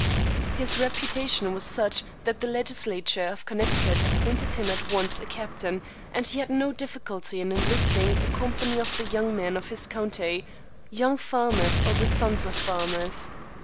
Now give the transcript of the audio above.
His reputation was such that the legislature of Connecticut appointed him at once a captain, and he had no difficulty in enlisting a company of the young men of his county, young farmers or the sons of farmers.